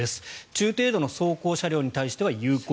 中程度の装甲車両に対しては有効。